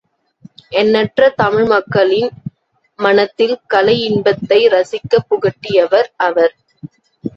எண்ணற்ற தமிழ் மக்களின் மனத்தில் கலை இன்பத்தை ரசிக்கப் புகட்டியவர் அவர்.